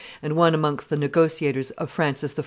and one amongst the negotiators of Francis I.